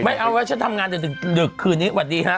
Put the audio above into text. ไม่เอาเดี๋ยวชั้นทำงานเดือด์คืนนี้หวัดดีค่ะ